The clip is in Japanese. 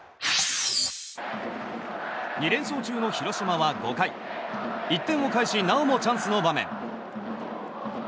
２連勝中の広島は５回１点をかえしなおもチャンスの場面。